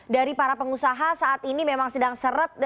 dari para pengusaha saat ini memang sedang seret